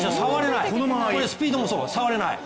スピードもそう、触れない。